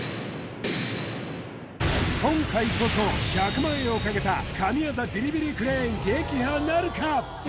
今回こそ１００万円をかけた神業ビリビリクレーン撃破なるか？